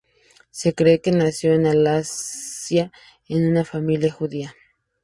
Se cree que nació en Alsacia en una familia judía.